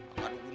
kagak ada guna